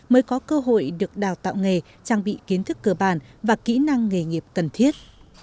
mới có cơ hội được đào tạo nghề trang bị kiến thức cơ bản và kỹ năng nghề nghiệp cần thiết